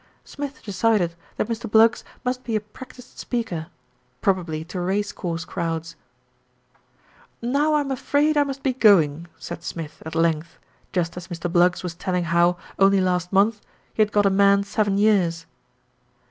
Smith decided that Mr. Bluggs must be a practised speaker probably to race course crowds. "Now I am afraid I must be going," said Smith at length, just as Mr. Bluggs was telling how, only last month, he had got a man seven years.